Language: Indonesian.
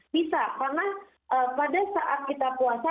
bisa karena pada saat kita puasa